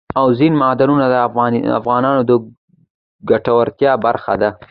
اوبزین معدنونه د افغانانو د ګټورتیا برخه ده.